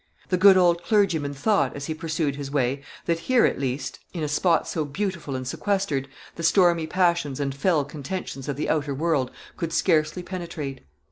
The good old clergyman thought, as he pursued his way, that here at least, in a spot so beautiful and sequestered, the stormy passions and fell contentions of the outer world could scarcely penetrate.